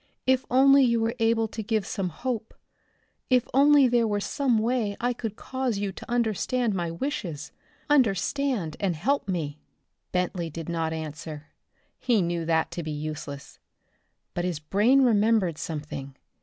"If only you were able to give some hope. If only there were some way I could cause you to understand my wishes understand and help me." Bentley did not answer. He knew that to be useless. But his brain remembered something.